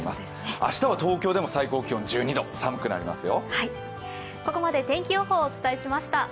明日は東京でも最高気温１２度、寒くなりますよ。